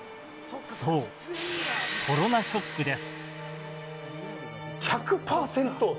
そう、コロナショックです。